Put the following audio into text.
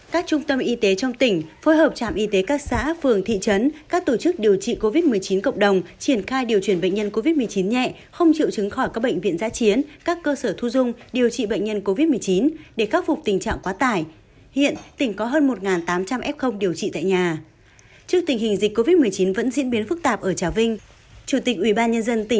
các trung tâm y tế trong tỉnh phối hợp trạm y tế các xã phường thị trấn các tổ chức điều trị covid một mươi chín cộng đồng triển khai điều truyền bệnh nhân covid một mươi chín nhẹ không triệu chứng khỏi các bệnh viện giã chiến các cơ sở thu dung điều trị bệnh nhân covid một mươi chín để khắc phục tình trạng quá tải